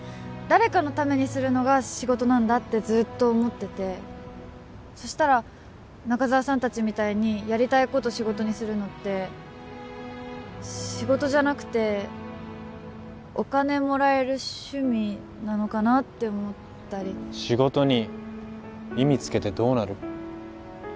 誰かのためにするのが仕事なんだってずっと思っててそしたら中沢さん達みたいにやりたいこと仕事にするのって仕事じゃなくてお金もらえる趣味なのかなって思ったり仕事に意味つけてどうなる？